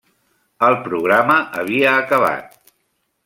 El programa havia acabat.